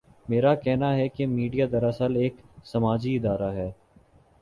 میرا کہنا ہے کہ میڈیا دراصل ایک سماجی ادارہ ہے۔